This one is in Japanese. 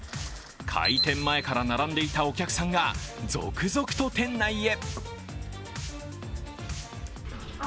開店前から並んでいたお客さんが続々と店内へ。